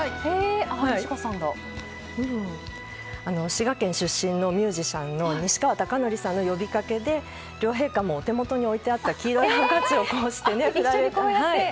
滋賀県出身のミュージシャンの西川貴教さんの呼びかけで両陛下もお手元にあった黄色ハンカチをこうして一緒に。